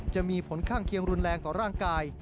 จะมีผลข้างเคียงรุนแรงต่อร่างกาย